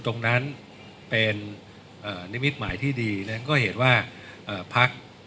ตรงนั้นเป็นนิมิตหมายที่ดีนั้นก็เห็นว่าพัก